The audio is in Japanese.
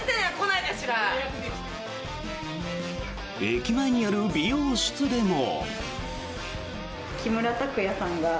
駅前にある美容室でも。